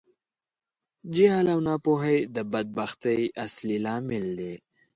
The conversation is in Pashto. جهل او ناپوهۍ د بدبختي اصلی لامل دي.